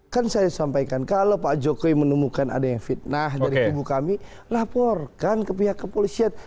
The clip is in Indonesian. kan saya sampaikan kalau pak jokowi menemukan ada yang fitnah dari kubu kami laporkan ke pihak kepolisian